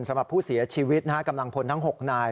สำหรับผู้เสียชีวิตกำลังพลทั้ง๖นาย